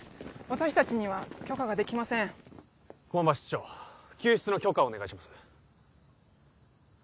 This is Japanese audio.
私達には許可ができません駒場室長救出の許可をお願いします